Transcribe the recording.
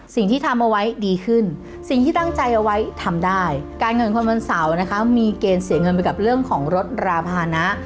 สิ่งที่ทำเอาไว้ดีขึ้นสิ่งที่ตั้งใจเอาไว้ทำได้การเงินคนวันเสาร์นะคะมีเกณฑ์เสียเงินไปกับเรื่องของรถราภานะ